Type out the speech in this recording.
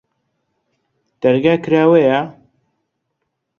دەرگا کراوەیە؟